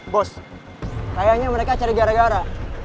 bos sayangnya mereka cari gara gara